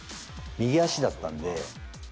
右足だったんで。